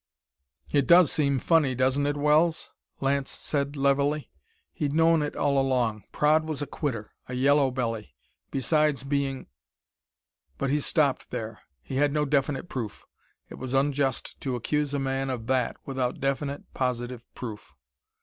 "It does seem funny, doesn't it, Wells?" Lance said levelly. He'd known it all along. Praed was a quitter a yellow belly besides being But he stopped there. He had no definite proof. It was unjust to accuse a man of that without definite, positive proof.